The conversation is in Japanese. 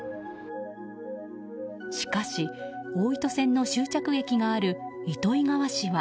しかし、大糸線の終着駅がある糸魚川市は。